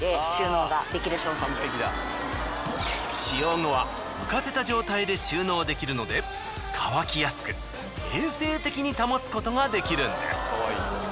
使用後は浮かせた状態で収納できるので乾きやすく衛生的に保つことができるんです。